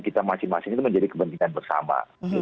kita masing masing itu menjadi kepentingan bersama